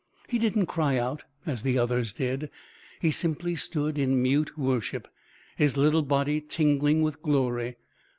He didn't cry out, as the others did. He simply stood in mute worship, his little body tingling with glory.